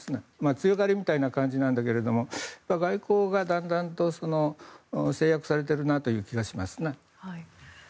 強がりみたいな感じなんだけれども外交がだんだんと制約されているなという気がしますね。